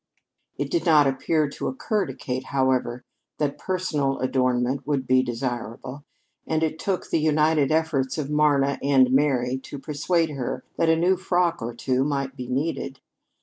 It did not appear to occur to Kate, however, that personal adornment would be desirable, and it took the united efforts of Marna and Mary to persuade her that a new frock or two might be needed.